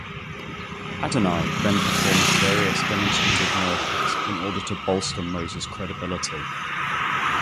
Adonai then performs various demonstrative miracles in order to bolster Moses' credibility.